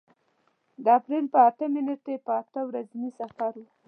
د اپرېل په اتمې نېټې په اته ورځني سفر و.